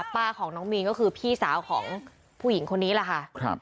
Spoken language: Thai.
ป้าของน้องมีนก็คือพี่สาวของผู้หญิงคนนี้แหละค่ะ